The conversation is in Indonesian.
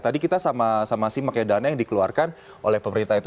tadi kita sama sama simak ya dana yang dikeluarkan oleh pemerintah itu